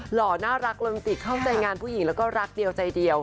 หล่อน่ารักลนติกเข้าใจงานผู้หญิงแล้วก็รักใด